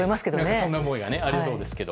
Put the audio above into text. そんな思いがありそうですけど。